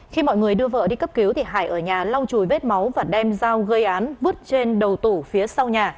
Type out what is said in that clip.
khi mọi người đưa vợ đi cấp cứu thì hải ở nhà lau chùi vết máu và đem dao gây án vứt trên đầu tủ phía sau nhà